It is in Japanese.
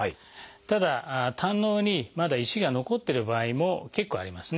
ただ胆のうにまだ石が残ってる場合も結構ありますね。